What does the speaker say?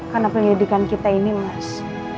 karena pendidikan kita ini mas